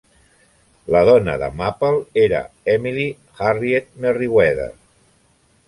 La dona de Maple era Emily Harriet Merryweather.